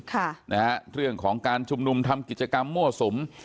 ค่ะนะฮะเรื่องของการชุมนุมทำกิจกรรมมั่วสุม